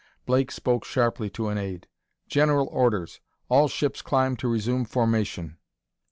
Blake spoke sharply to an aide: "General orders! All ships climb to resume formation!"